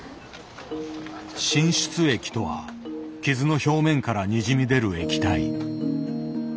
浸出液とは傷の表面からにじみ出る液体。